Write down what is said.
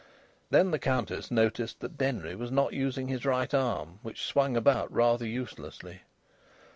Then the Countess noticed that Denry was not using his right arm, which swung about rather uselessly.